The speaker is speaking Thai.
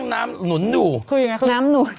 น้ำหนุน